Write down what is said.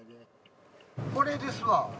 これですわ。